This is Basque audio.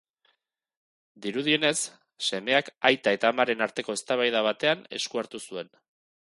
Dirudienez, semeak aita eta amaren arteko eztabaida batean esku hartu zuen.